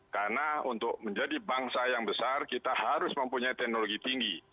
karena untuk menjadi bangsa yang besar kita harus mempunyai teknologi tinggi